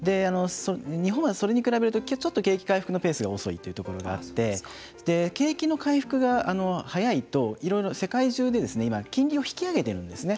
日本は、それに比べると景気回復のペースが遅いというところがあって景気の回復が早いといろいろ世界中で今、金利を引き上げているんですね。